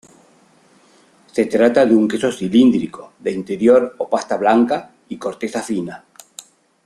Se trata de un queso cilíndrico, de interior o pasta blanca y corteza fina.